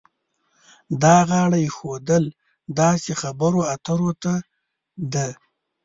دا غاړه ایښودل داسې خبرو اترو ته ده.